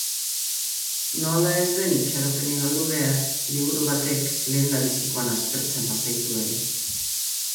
Nola ez den itxaropenik galdu behar liburu batek lehendabizikoan aspertzen bazaitu ere.